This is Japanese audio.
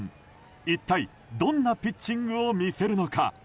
一体、どんなピッチングを見せるのか。